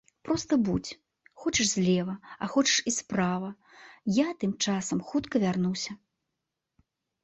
Проста будзь, хочаш злева, а хочаш і справа, я тым часам хутка вярнуся.